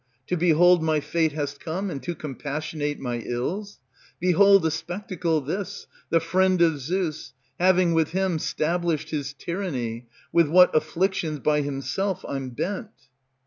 To behold my fate Hast come, and to compassionate my ills? Behold a spectacle, this, the friend of Zeus, Having with him stablished his tyranny, With what afflictions by himself I'm bent.